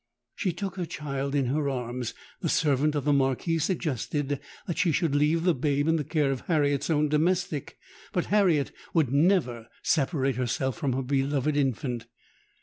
She took her child in her arms: the servant of the Marquis suggested that she should leave the babe in the care of Harriet's own domestic; but Harriet would never separate herself from her beloved infant!